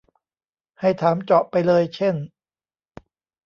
ให้ถามเจาะไปเลยเช่น